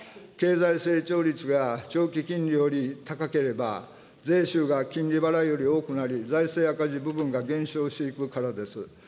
経済成長率が長期金利より高ければ、税収が金利払いより多くなり、財政赤字部分が減少していくからです。